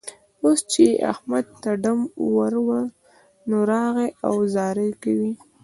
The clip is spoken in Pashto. اوس چې يې احمد ته ډم ور وړ؛ نو، راغی او زارۍ کوي.